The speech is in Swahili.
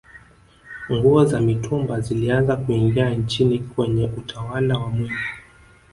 nguo za mitumba zilianza kuingia nchini kwenye utawala wa mwinyi